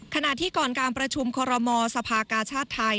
ขณะที่ก่อนการประชุมคอรมอสภากาชาติไทย